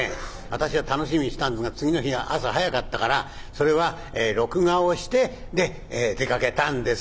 私は楽しみにしてたんですが次の日は朝早かったからそれは録画をしてで出かけたんです。